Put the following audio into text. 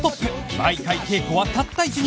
毎回稽古はたった１日